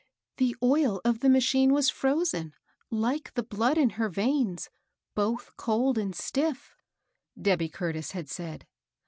" The oil of the machine was fro25en, like the blood in her veins, both cold and stiff," Debby Curtis had said.